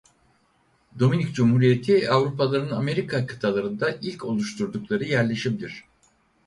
Dominik Cumhuriyeti Avrupalıların Amerika kıtalarında ilk oluşturdukları yerleşimdir.